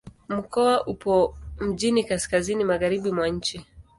Mkoa upo mjini kaskazini-magharibi mwa nchi.